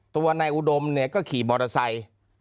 ตัวในอุดมเนี่ยก็ขี่บอร์ตอไซค์